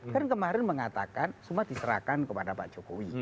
kan kemarin mengatakan semua diserahkan kepada pak jokowi